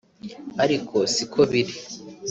ariko si ko biri